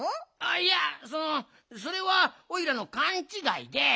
いやそのそれはおいらのかんちがいで。